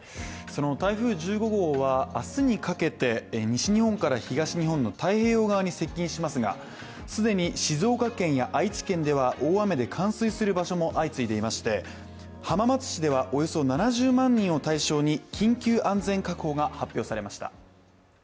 台風１５号は、明日にかけて西日本から東日本の太平洋側に接近しますが既に静岡県や愛知県では大雨で冠水する場所も相次いでいまして浜松市では、およそ７０万人を対象に緊急安全確保が発表されました。